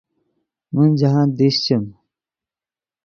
من جاہند دیشچیم